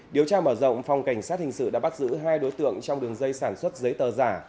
điều tra mở rộng phòng cảnh sát hình sự đã bắt giữ hai đối tượng trong đường dây sản xuất giấy tờ giả